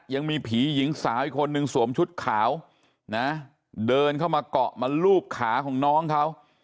ยังมีผีหญิงสาวอีกคนนึงสวมชุดขาวนะเดินเข้ามาเกาะมาลูบขาของน้องเขา